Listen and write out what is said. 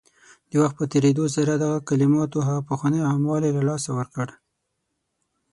د وخت په تېرېدو سره دغه کلماتو هغه پخوانی عام والی له لاسه ورکړ